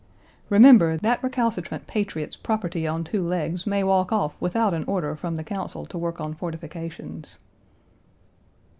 Remember, that recalcitrant patriot's property on two legs Page 200 may walk off without an order from the Council to work on fortifications.